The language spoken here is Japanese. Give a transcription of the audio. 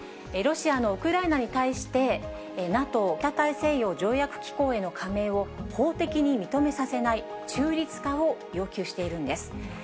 ロシアのウクライナに対して、ＮＡＴＯ・北大西洋条約機構への加盟を法的に認めさせない中立化を要求しているんです。